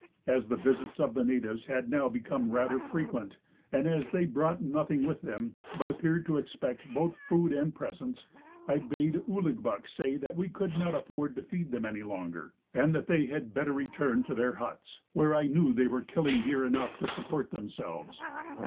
As the visits of the natives had now become rather frequent, and as they brought nothing with them, but appeared to expect both food and presents, I bade Ouligbuck say that we could not afford to feed them any longer, and that they had better return to their huts, where I knew they were killing deer enough to support themselves.